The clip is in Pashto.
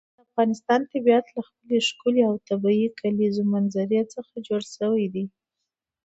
د افغانستان طبیعت له خپلې ښکلې او طبیعي کلیزو منظره څخه جوړ شوی دی.